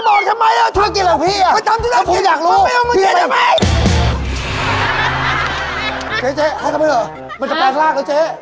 มันจะแปลกรากนะเจ๊